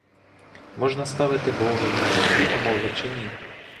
Можна ставити богові такі умови чи ні?